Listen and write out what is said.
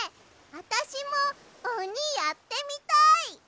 あたしもおにやってみたい！